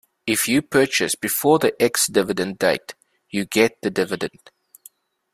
If you purchase before the ex-dividend date, you get the dividend.